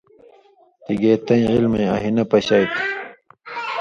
تگے تیں علمَیں آہیۡنہ پشائ تُھو۔